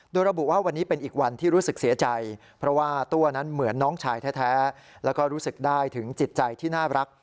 โดยระบุว่าวันนี้เป็นอีกวันที่รู้สึกเสียใจเพราะว่าตัวนั้นเหมือนน้องชายแท้แล้วก็รู้สึกได้ถึงจิตใจที่น่ารัก